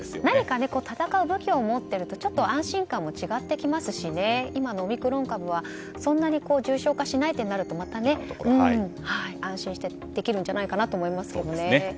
何か闘う武器を持っていると安心感も違ってきますし今のオミクロン株はそんなに重症化しないとなるとまた安心してできるんじゃないかと思いますよね。